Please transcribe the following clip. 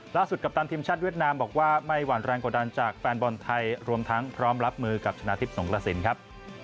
กัปตันทีมชาติเวียดนามบอกว่าไม่หวั่นแรงกดดันจากแฟนบอลไทยรวมทั้งพร้อมรับมือกับชนะทิพย์สงกระสินครับ